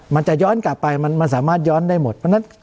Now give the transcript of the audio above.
มันจะย้อนกลับไปมันสามารถย้อนได้หมด